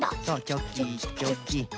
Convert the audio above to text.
チョキチョキ。